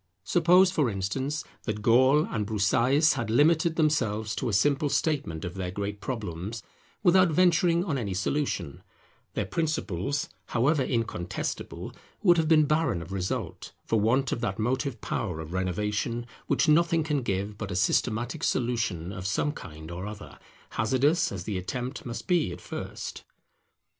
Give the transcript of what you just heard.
Suppose, for instance, that Gall and Broussais had limited themselves to a simple statement of their great problems without venturing on any solution; their principles, however incontestable, would have been barren of result, for want of that motive power of renovation which nothing can give but a systematic solution of some kind or other, hazardous as the attempt must be at first.